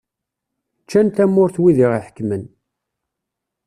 Ččan tamurt wid iɣ-iḥekmen.